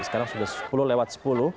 sekarang sudah sepuluh lewat sepuluh